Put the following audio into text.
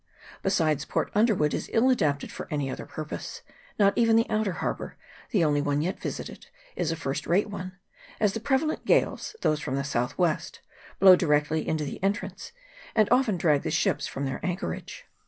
Besides, Port Underwood is ill adapted for any other purpose : not even the outer harbour, the only one yet visited, is a first rate one, as the prevalent gales those 64 CLOUDY BAY. [PART I. from the south west blow directly into the en trance, and often drag the ships from their anchor age.